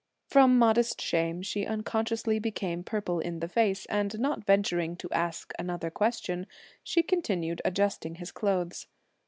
From modest shame, she unconsciously became purple in the face, and not venturing to ask another question she continued adjusting his clothes.